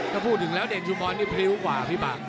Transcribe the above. ก็พูดถึงแล้วเดชน์ชูบอลนี่พริ้วขวาพี่บัตร